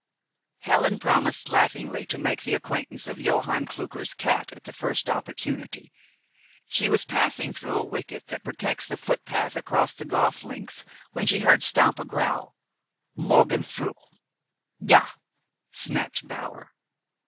Helen promised laughingly to make the acquaintance of Johann Klucker's cat at the first opportunity. She was passing through a wicket that protects the footpath across the golf links, when she heard Stampa growl: "Morgen früh!" "Ja!" snapped Bower.